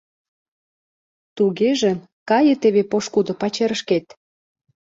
— Тугеже, кае теве пошкудо пачерышкет...